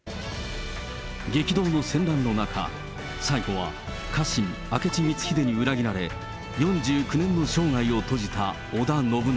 激動の戦乱の中、最後は家臣、明智光秀に裏切られ、４９年の生涯を閉じた織田信長。